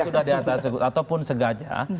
sekufu ini sudah diatas sekutu ataupun segajah